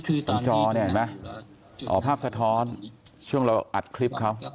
ตรงจอเนี่ยเห็นไหมอ๋อภาพสะท้อนช่วงเราอัดคลิปเขา